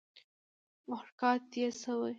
محرکات ئې څۀ وي